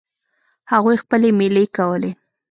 هغوی خپلې میلې کولې.